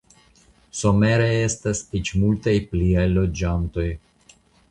Somere estas eĉ multaj pliaj loĝantoj.